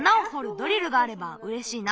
ドリルがあればうれしいな。